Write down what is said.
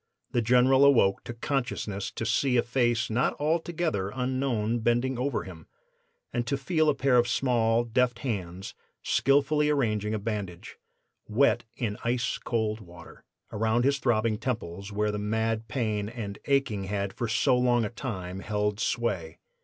The General awoke to consciousness to see a face not altogether unknown bending over him, and to feel a pair of small, deft hands skillfully arranging a bandage, wet in ice cold water, around his throbbing temples, where the mad pain and aching had for so long a time held sway.